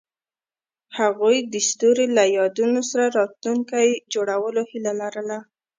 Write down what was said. هغوی د ستوري له یادونو سره راتلونکی جوړولو هیله لرله.